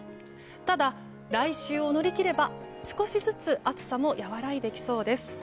ただ、来週を乗り切れば少しずつ暑さも和らいできそうです。